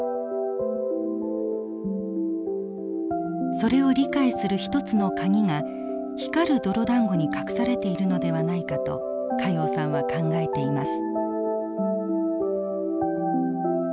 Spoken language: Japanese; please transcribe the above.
それを理解する一つの鍵が光る泥だんごに隠されているのではないかと加用さんは考えています。